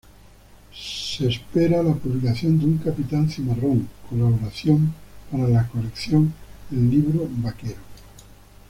Se espera la publicación de "Un capitán cimarrón" colaboración para la colección El_libro_vaquero.